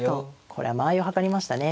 これは間合いをはかりましたね。